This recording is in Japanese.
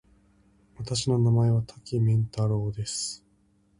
私の名前は多岐麺太郎です。